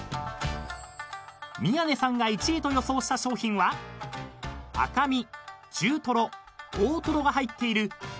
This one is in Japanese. ［宮根さんが１位と予想した商品は赤身中とろ大とろが入っているぜいたくな］